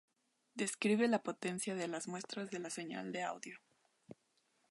Describe la potencia de las muestras de la señal de audio.